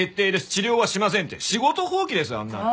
治療はしません」って仕事放棄ですよあんなの。